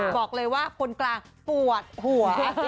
บอกเลยว่าคนกลางปวดหัว